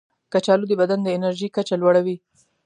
کچالو د بدن د انرژي کچه لوړوي.